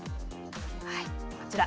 こちら。